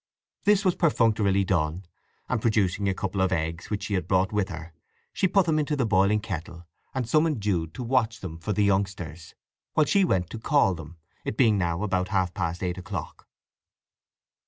This was perfunctorily done, and producing a couple of eggs which she had brought with her she put them into the boiling kettle, and summoned Jude to watch them for the youngsters, while she went to call them, it being now about half past eight o'clock.